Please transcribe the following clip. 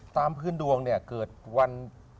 ตามพื้นดวงเนี่ยเกิดวัน